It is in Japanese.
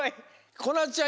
こなつちゃん